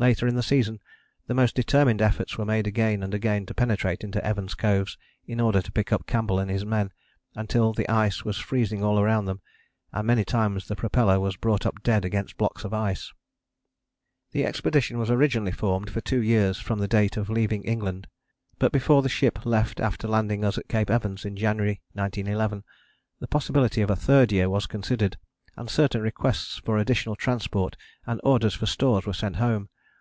Later in the season the most determined efforts were made again and again to penetrate into Evans Coves in order to pick up Campbell and his men, until the ice was freezing all round them, and many times the propeller was brought up dead against blocks of ice. The expedition was originally formed for two years from the date of leaving England. But before the ship left after landing us at Cape Evans in January 1911 the possibility of a third year was considered, and certain requests for additional transport and orders for stores were sent home.